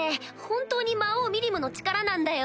本当に魔王ミリムの力なんだよ。